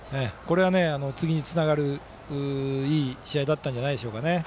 次につながるいい試合だったんじゃないでしょうか。